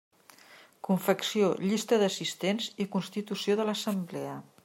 Confecció llista d'assistents i constitució de l'assemblea.